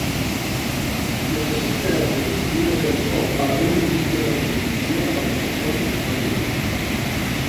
Necessite afegir una cançó a la meva llista de reproducció El que sona a Nova York.